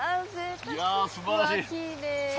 すばらしい。